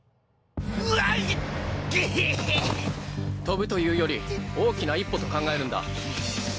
飛ぶというより大きな一歩と考えるんだ。